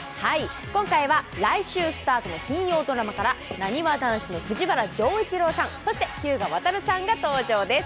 今回は、来週スタートの金曜ドラマからなにわ男子の藤原丈一郎さん、そして日向亘さんが登場です。